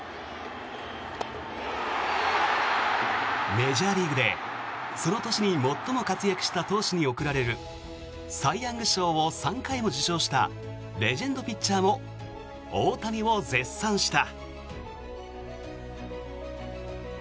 メジャーリーグでその年に最も活躍した投手に贈られるサイ・ヤング賞を３回も受賞したレジェンドピッチャーも大谷を絶賛した。